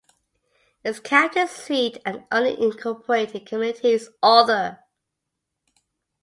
Its county seat and only incorporated community is Arthur.